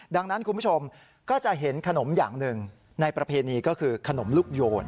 ดังนั้นคุณผู้ชมก็จะเห็นขนมอย่างหนึ่งในประเพณีก็คือขนมลูกโยน